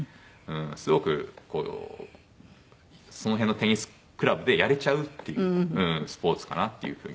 すごくこうその辺のテニスクラブでやれちゃうっていうスポーツかなっていう風に。